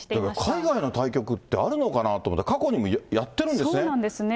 海外の対局ってあるのかなと思って、過去にもやってるんですそうなんですね。